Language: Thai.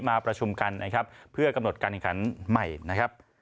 มาประชุมกันนะครับเพื่อกำหนดการแข่งขันใหม่นะครับ